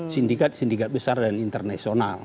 sindikat sindikat besar dan internasional